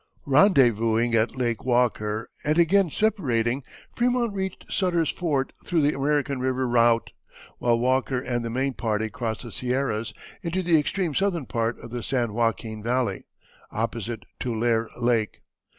Rendezvousing at Lake Walker and again separating, Frémont reached Sutter's Fort through the American River route, while Walker and the main party crossed the Sierras into the extreme southern part of the San Joaquin Valley, opposite Tulare Lake.